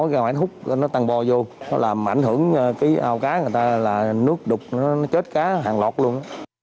gà ngoài nó hút nó tăng bò vô nó làm ảnh hưởng cái ao cá người ta là nước đục nó chết cá hàng lọt luôn